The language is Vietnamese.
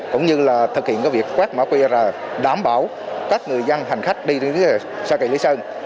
cũng như là thực hiện việc quét mã qr đảm bảo các người dân hành khách đi phía xa kỳ lý sơn